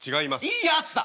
いいや熱さ。